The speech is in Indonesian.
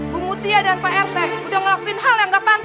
bu mutia dan pak rt udah ngelakuin hal yang kapan